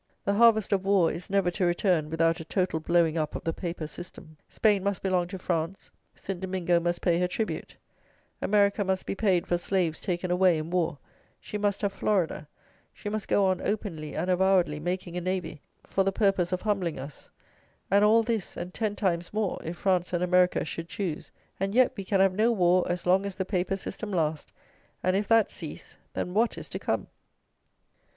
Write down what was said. The "harvest of war" is never to return without a total blowing up of the paper system. Spain must belong to France, St. Domingo must pay her tribute. America must be paid for slaves taken away in war, she must have Florida, she must go on openly and avowedly making a navy for the purpose of humbling us; and all this, and ten times more, if France and America should choose; and yet we can have no war as long as the paper system last; and, if that cease, then what is to come!